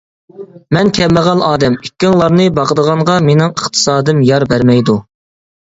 مەن كەمبەغەل ئادەم، ئىككىڭلارنى باقىدىغانغا مېنىڭ ئىقتىسادىم يار بەرمەيدۇ.